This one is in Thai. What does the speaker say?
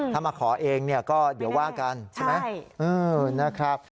ถ้ามาขอเองเนี่ยก็เดี๋ยวว่ากันใช่ไหมนะครับ